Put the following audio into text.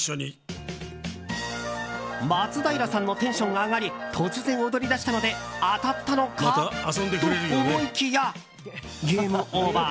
松平さんのテンションが上がり突然踊りだしたので当たったのかと思いきやゲームオーバー。